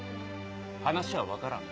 話は分からん